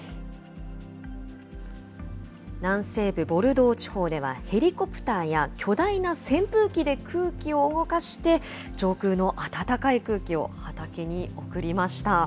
ボルドー地方では、ヘリコプターや、巨大な扇風機で空気を動かして、上空の暖かい空気を畑に送りました。